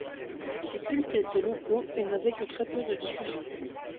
Ces cultes étaient locaux et n'avaient que très peu de diffusion.